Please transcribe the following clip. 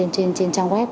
trên trang web